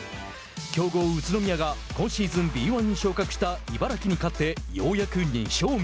強豪・宇都宮が今シーズンＢ−１に昇格した茨城に勝ってようやく２勝目。